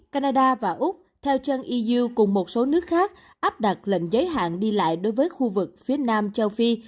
canada và úc theo chân yu cùng một số nước khác áp đặt lệnh giới hạn đi lại đối với khu vực phía nam châu phi